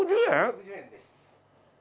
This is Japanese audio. １６０円です。